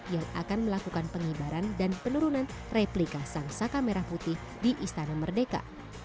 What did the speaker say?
yang akan melakukan pengibaran dan penurunan replika sangsa kamera putih di istana merdeka